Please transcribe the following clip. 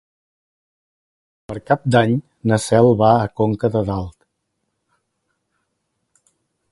Per Cap d'Any na Cel va a Conca de Dalt.